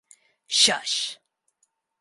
Shush!